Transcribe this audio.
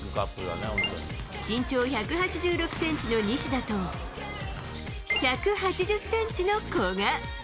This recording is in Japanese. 身長１８６センチの西田と、１８０センチの古賀。